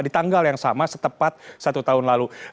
di tanggal yang sama setepat satu tahun lalu